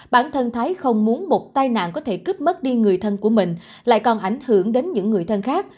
bản thân thái không muốn một tai nạn có thể cướp mất đi người thân của mình lại còn ảnh hưởng đến những người thân khác